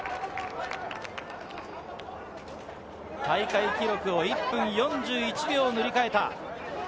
大会記録を１分４１秒塗り替えた。